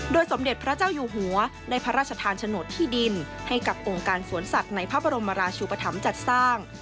สมเด็จพระเจ้าอยู่หัวได้พระราชทานโฉนดที่ดินให้กับองค์การสวนสัตว์ในพระบรมราชุปธรรมจัดสร้าง